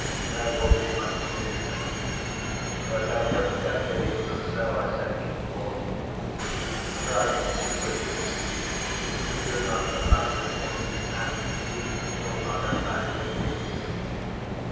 There will be much to do. But I don't doubt of you, and so I send you forth. Christ is with you. Do not abandon Him and He will not abandon you.